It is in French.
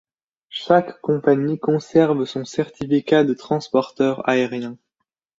Chaque compagnie conserve son certificat de transporteur aérien.